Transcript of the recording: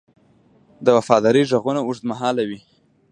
د وفادارۍ ږغونه اوږدمهاله وي.